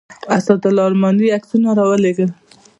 اسدالله ارماني عکسونه راولېږل.